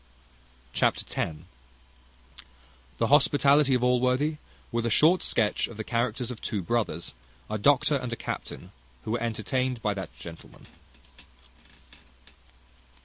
Chapter x. The hospitality of Allworthy; with a short sketch of the characters of two brothers, a doctor and a captain, who were entertained by that gentleman.